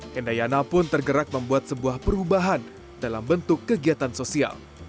hendayana pun tergerak membuat sebuah perubahan dalam bentuk kegiatan sosial